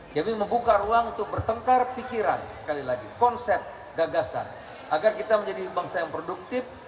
kib membuka ruang untuk bertengkar pikiran konsep gagasan agar kita menjadi bangsa yang produktif